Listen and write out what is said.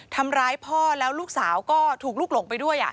ทำร้ายพ่อแล้วลูกสาวก็ถูกลูกหลงไปด้วย